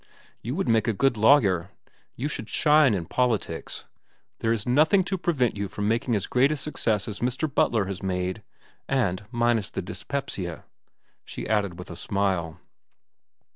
You would make a good lawyer. You should shine in politics. There is nothing to prevent you from making as great a success as Mr. Butler has made. And minus the dyspepsia," she added with a smile.